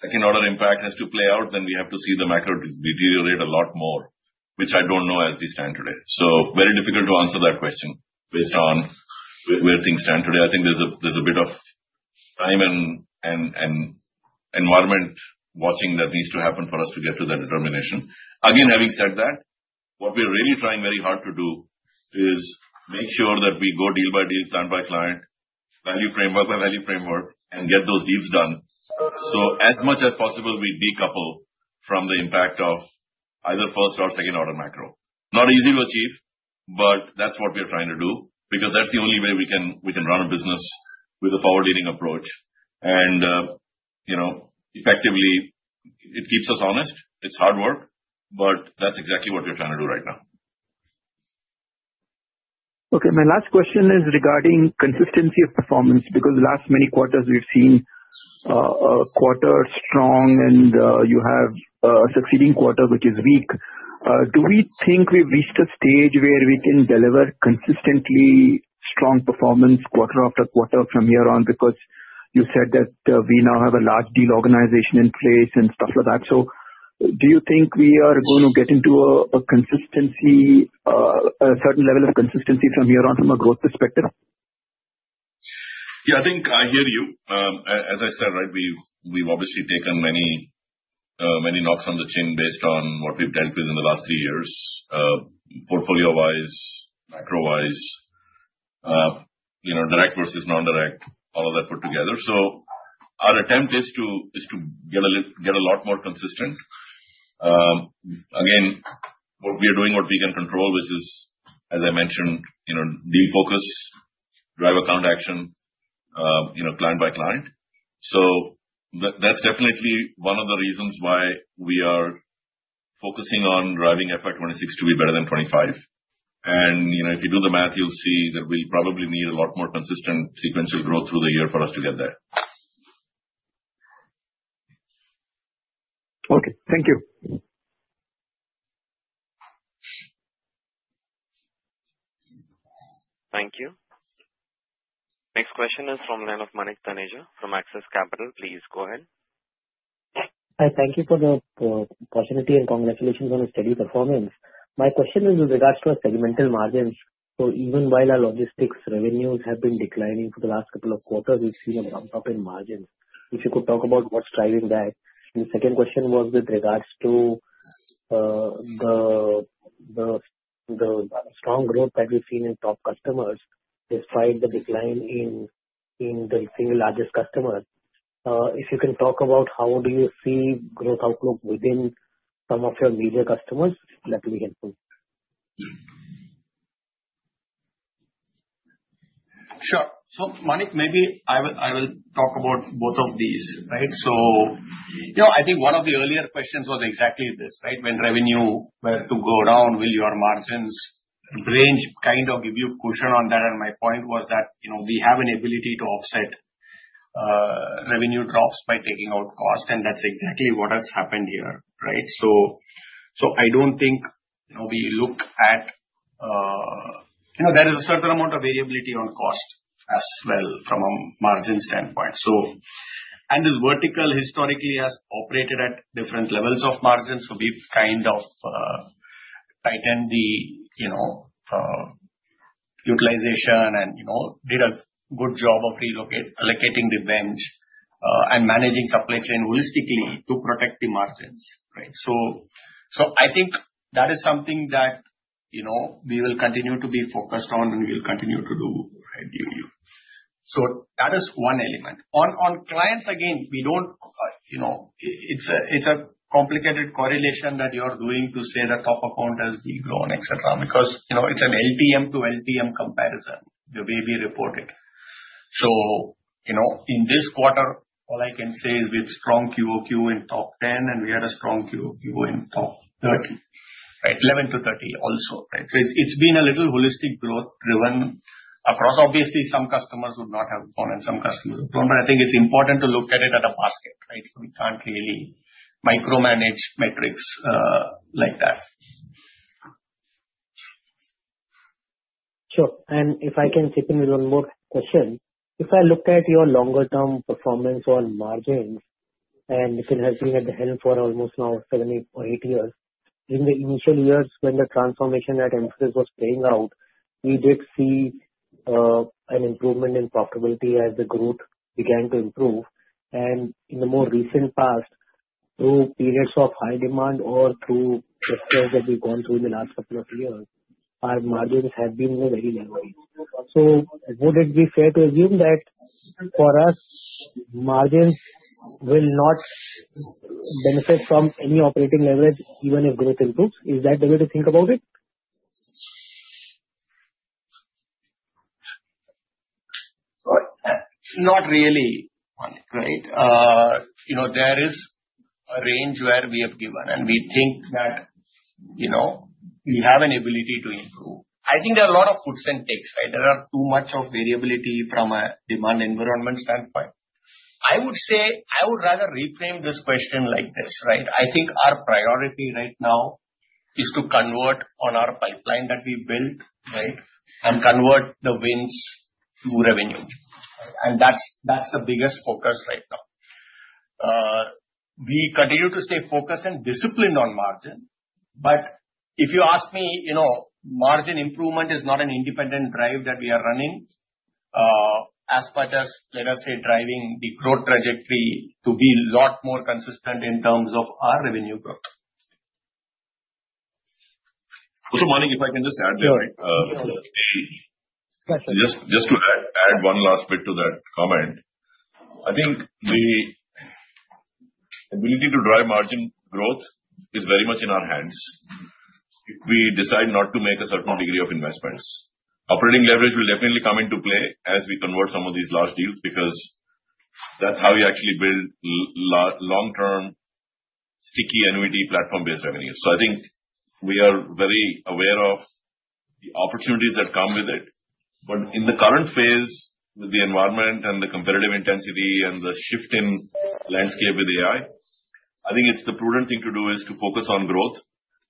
B: second-order impact has to play out, then we have to see the macro deteriorate a lot more, which I don't know as we stand today. is very difficult to answer that question based on where things stand today. I think there is a bit of time and environment watching that needs to happen for us to get to that determination. Again, having said that, what we are really trying very hard to do is make sure that we go deal by deal, plan by client, value framework by value framework, and get those deals done. As much as possible, we decouple from the impact of either first or second-order macro. Not easy to achieve, but that is what we are trying to do because that is the only way we can run a business with a power dealing approach. Effectively, it keeps us honest. It is hard work, but that is exactly what we are trying to do right now.
I: Okay. My last question is regarding consistency of performance because the last many quarters we've seen a quarter strong, and you have a succeeding quarter which is weak. Do we think we've reached a stage where we can deliver consistently strong performance quarter after quarter from here on? Because you said that we now have a large deal organization in place and stuff like that. Do you think we are going to get into a certain level of consistency from here on from a growth perspective?
B: Yeah. I think I hear you. As I said, right, we've obviously taken many knocks on the chin based on what we've dealt with in the last three years, portfolio-wise, macro-wise, direct versus non-direct, all of that put together. Our attempt is to get a lot more consistent. Again, we are doing what we can control, which is, as I mentioned, deal focus, drive account action, client by client. That is definitely one of the reasons why we are focusing on driving FY 2026 to be better than 2025. If you do the math, you will see that we will probably need a lot more consistent sequential growth through the year for us to get there.
I: Okay. Thank you.
A: Thank you. Next question is from the line of Manik Taneja from Axis Capital. Please go ahead.
J: Hi. Thank you for the opportunity and congratulations on the steady performance. My question is with regards to our segmental margins. Even while our logistics revenues have been declining for the last couple of quarters, we have seen a bump up in margins. If you could talk about what is driving that. The second question was with regards to the strong growth that we've seen in top customers despite the decline in the single largest customer. If you can talk about how you see growth outlook within some of your major customers, that would be helpful.
F: Sure. Manik, maybe I will talk about both of these, right? I think one of the earlier questions was exactly this, right? When revenue were to go down, will your margins range kind of give you cushion on that? My point was that we have an ability to offset revenue drops by taking out cost, and that's exactly what has happened here, right? I don't think we look at there is a certain amount of variability on cost as well from a margin standpoint. This vertical historically has operated at different levels of margins. We've kind of tightened the utilization and did a good job of relocating the bench and managing supply chain holistically to protect the margins, right? I think that is something that we will continue to be focused on and we'll continue to do, right? That is one element. On clients, again, we don't it's a complicated correlation that you're doing to say that top account has degrown etc. because it's an LTM to LTM comparison, the way we report it. In this quarter, all I can say is we have strong QoQ in top 10, and we had a strong QoQ in top 30, right? 11 to 30 also, right? It's been a little holistic growth driven across. Obviously, some customers would not have gone and some customers would have gone, but I think it's important to look at it at a basket, right? We can't really micromanage metrics like that.
J: Sure. And if I can slip in with one more question. If I look at your longer-term performance on margins, and Nitin has been at the helm for almost now seven or eight years, in the initial years when the transformation at Mphasis was playing out, we did see an improvement in profitability as the growth began to improve. In the more recent past, through periods of high demand or through stresses that we've gone through in the last couple of years, our margins have been very leveraged. Would it be fair to assume that for us, margins will not benefit from any operating leverage even if growth improves? Is that the way to think about it?
F: Not really, Manik, right? There is a range where we have given, and we think that we have an ability to improve. I think there are a lot of hooks and picks, right? There is too much variability from a demand environment standpoint. I would say I would rather reframe this question like this, right? I think our priority right now is to convert on our pipeline that we built, right, and convert the wins to revenue. That is the biggest focus right now. We continue to stay focused and disciplined on margin, but if you ask me, margin improvement is not an independent drive that we are running as much as, let us say, driving the growth trajectory to be a lot more consistent in terms of our revenue growth.
B: Also, Manik, if I can just add there, just to add one last bit to that comment, I think the ability to drive margin growth is very much in our hands if we decide not to make a certain degree of investments. Operating leverage will definitely come into play as we convert some of these large deals because that's how you actually build long-term sticky annuity platform-based revenues. I think we are very aware of the opportunities that come with it. In the current phase, with the environment and the competitive intensity and the shift in landscape with AI, I think the prudent thing to do is to focus on growth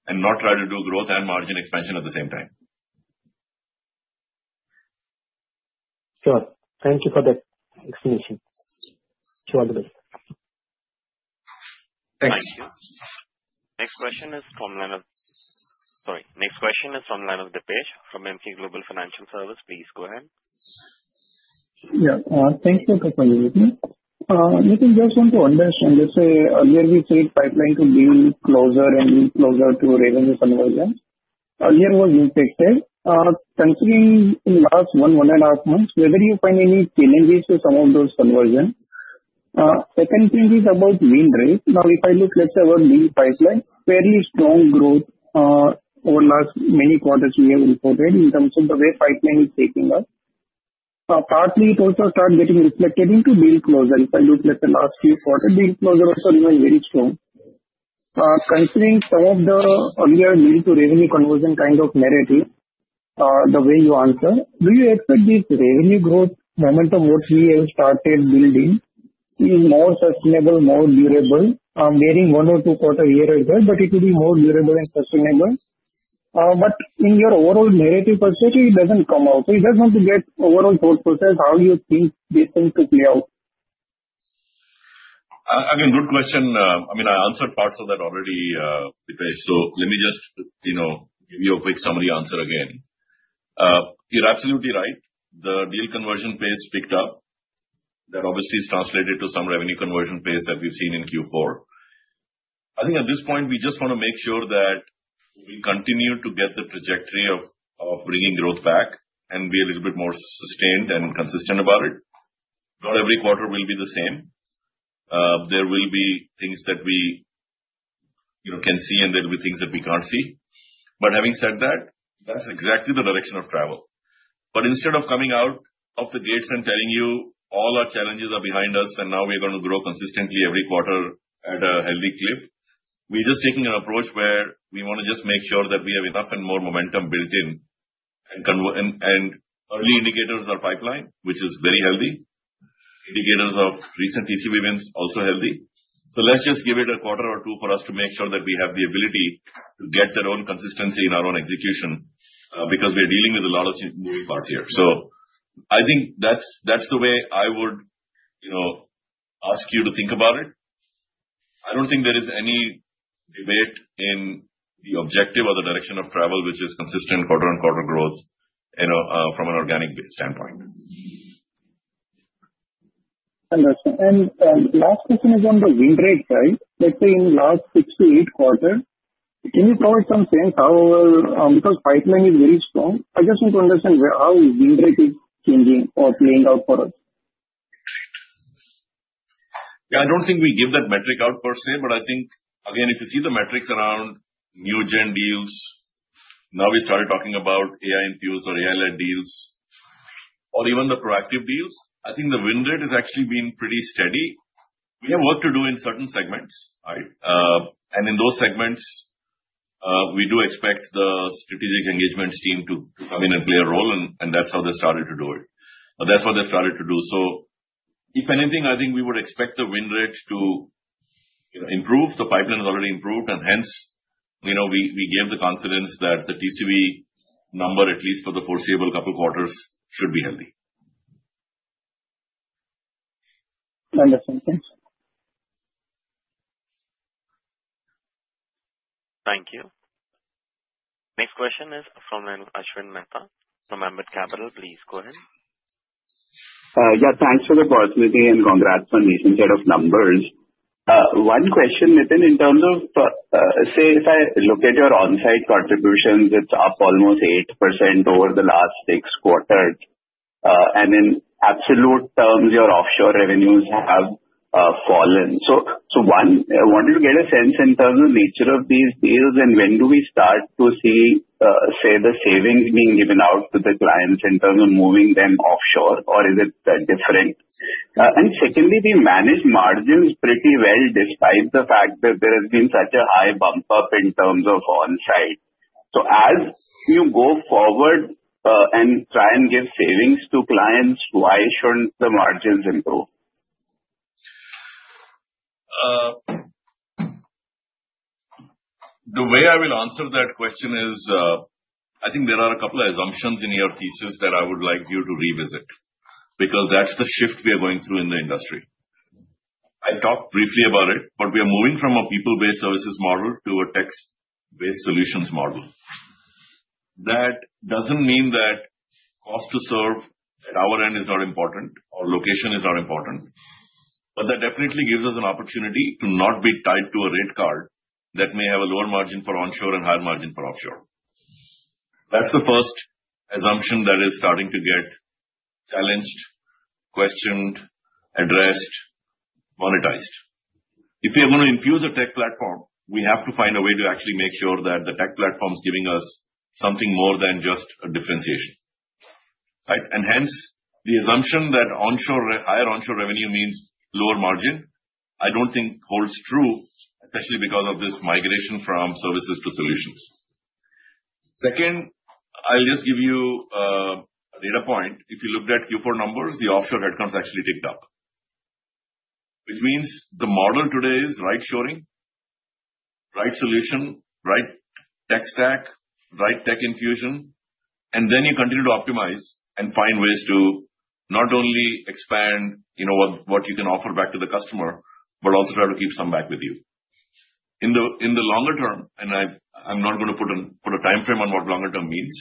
B: and not try to do growth and margin expansion at the same time.
J: Sure. Thank you for the explanation. You're all the best.
B: Thanks.
A: Thank you. Next question is from the land of sorry. Next question is from the line of Dipesh from Emkay Global Financial Service. Please go ahead. Yeah.
K: Thank you for coming with me. Nitin, just want to understand. Let's say earlier we said pipeline could be closer and closer to revenue conversion. Earlier was you said, considering in the last one, one and a half months, whether you find any challenges to some of those conversions. Second thing is about win rate. Now, if I look, let's say, over deal pipeline, fairly strong growth over the last many quarters we have reported in terms of the way pipeline is taking up. Partly, it also started getting reflected into deal closure. If I look, let's say, last few quarters, deal closure also remained very strong. Considering some of the earlier deal-to-revenue conversion kind of narrative, the way you answer, do you expect this revenue growth momentum what we have started building to be more sustainable, more durable? I'm hearing one or two quarter year as well, but it would be more durable and sustainable. In your overall narrative per se, it doesn't come out. You just want to get overall thought process, how do you think this thing could play out?
B: Again, good question. I mean, I answered parts of that already, Dipesh. Let me just give you a quick summary answer again. You're absolutely right. The deal conversion pace picked up. That obviously is translated to some revenue conversion pace that we've seen in Q4. I think at this point, we just want to make sure that we continue to get the trajectory of bringing growth back and be a little bit more sustained and consistent about it. Not every quarter will be the same. There will be things that we can see, and there will be things that we can't see. Having said that, that's exactly the direction of travel. Instead of coming out of the gates and telling you all our challenges are behind us and now we are going to grow consistently every quarter at a healthy clip, we're just taking an approach where we want to just make sure that we have enough and more momentum built in. Early indicators are pipeline, which is very healthy. Indicators of recent TCV wins also healthy. Let's just give it a quarter or two for us to make sure that we have the ability to get that own consistency in our own execution because we are dealing with a lot of moving parts here. I think that's the way I would ask you to think about it. I don't think there is any debate in the objective or the direction of travel, which is consistent quarter-on-quarter growth from an organic standpoint.
K: Understood. Last question is on the win rate side. Let's say in the last six to eight quarters, can you provide some sense how, because pipeline is very strong, I just want to understand how win rate is changing or playing out for us?
B: Yeah. I don't think we give that metric out per se, but I think, again, if you see the metrics around new gen deals, now we started talking about AI-infused or AI-led deals, or even the proactive deals, I think the win rate has actually been pretty steady. We have work to do in certain segments, right? In those segments, we do expect the strategic engagements team to come in and play a role, and that's how they started to do it. That's what they started to do. If anything, I think we would expect the win rate to improve. The pipeline has already improved, and hence we gave the confidence that the TCV number, at least for the foreseeable couple of quarters, should be healthy.
K: Understood. Thank you.
A: Thank you. Next question is from Ashwin Mehta from Ambit Capital. Please go ahead. Yeah.
L: Thanks for the opportunity and congrats on Nitin's head of numbers. One question, Nitin, in terms of, say, if I look at your onsite contributions, it's up almost 8% over the last six quarters. In absolute terms, your offshore revenues have fallen. One, I wanted to get a sense in terms of the nature of these deals and when do we start to see, say, the savings being given out to the clients in terms of moving them offshore, or is it different? Secondly, we manage margins pretty well despite the fact that there has been such a high bump up in terms of onsite. As you go forward and try and give savings to clients, why shouldn't the margins improve?
B: The way I will answer that question is I think there are a couple of assumptions in your thesis that I would like you to revisit because that's the shift we are going through in the industry. I talked briefly about it, but we are moving from a people-based services model to a tech-based solutions model. That doesn't mean that cost to serve at our end is not important or location is not important, but that definitely gives us an opportunity to not be tied to a rate card that may have a lower margin for onshore and higher margin for offshore. That's the first assumption that is starting to get challenged, questioned, addressed, monetized. If we are going to infuse a tech platform, we have to find a way to actually make sure that the tech platform is giving us something more than just a differentiation, right? The assumption that higher onshore revenue means lower margin, I do not think holds true, especially because of this migration from services to solutions. Second, I will just give you a data point. If you looked at Q4 numbers, the offshore headcounts actually ticked up, which means the model today is right shoring, right solution, right tech stack, right tech infusion, and then you continue to optimize and find ways to not only expand what you can offer back to the customer, but also try to keep some back with you. In the longer term, and I am not going to put a time frame on what longer term means,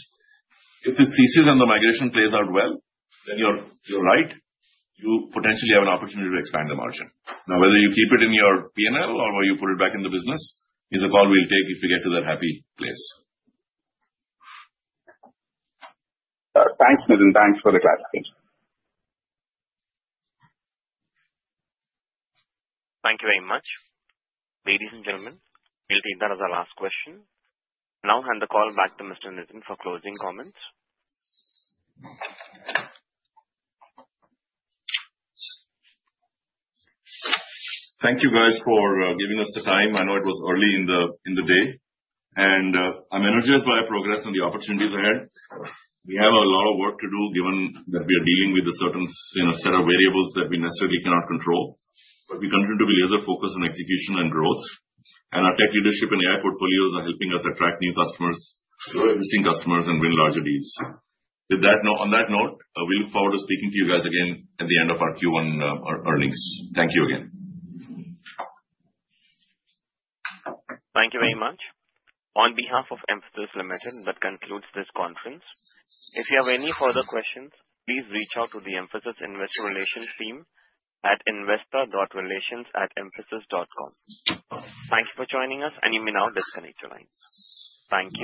B: if the thesis and the migration plays out well, then you are right. You potentially have an opportunity to expand the margin. Now, whether you keep it in your P&L or you put it back in the business is a call we'll take if we get to that happy place.
L: Thanks, Nitin. Thanks for the clarification.
A: Thank you very much. Ladies and gentlemen, we'll take that as our last question. Now hand the call back to Mr. Nitin for closing comments.
B: Thank you, guys, for giving us the time. I know it was early in the day, and I'm energized by our progress and the opportunities ahead. We have a lot of work to do given that we are dealing with a certain set of variables that we necessarily cannot control, but we continue to be laser-focused on execution and growth. Our tech leadership and AI portfolios are helping us attract new customers, low-existing customers, and win larger deals. On that note, we look forward to speaking to you guys again at the end of our Q1 earnings. Thank you again.
A: Thank you very much. On behalf of Mphasis Limited, that concludes this conference. If you have any further questions, please reach out to the Mphasis Investor Relations team at investor.relations@mphasis.com. Thank you for joining us, and you may now disconnect your line. Thank you.